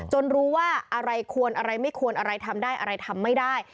รู้ว่าอะไรควรอะไรไม่ควรอะไรทำได้อะไรทำไม่ได้